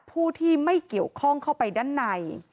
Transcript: ผู้ที่ไม่เกี่ยวข้องเข้าไปด้านใน